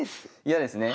嫌ですね。